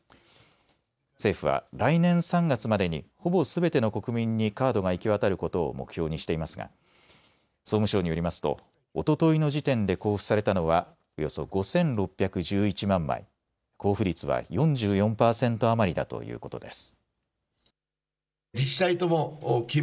政府は来年３月までにほぼすべての国民にカードが行き渡ることを目標にしていますが総務省によりますとおとといの時点で交付されたのはおよそ５６１１万枚、交付率は４４％余りだということです。